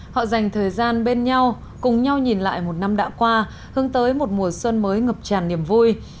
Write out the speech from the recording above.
họ dành thời gian bên nhau cùng nhau nhìn lại một năm đã qua hướng tới một mùa xuân mới ngập tràn niềm vui